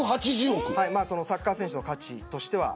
サッカー選手の価値としては。